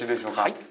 はい。